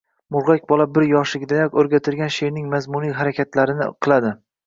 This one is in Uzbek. murg‘ak bola bir yoshligidayoq o‘rgatilgan sheʼrning mazmuniy harakatlarni qiladi.